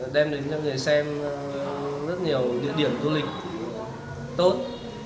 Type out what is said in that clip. đem đến cho người xem rất nhiều địa điểm du lịch tốt